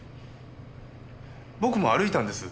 僕も歩いたんです。